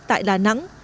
tại đà nẵng